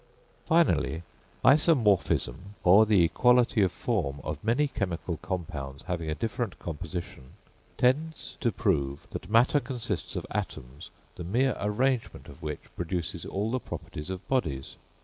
Finally, Isomorphism, or the equality of form of many chemical compounds having a different composition, tends to prove that matter consists of atoms the mere arrangement of which produces all the properties of bodies.